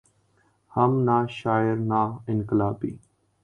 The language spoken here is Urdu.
ہم نہ شاعر نہ انقلابی۔